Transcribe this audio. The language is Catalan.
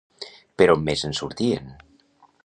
Per on més en sortien?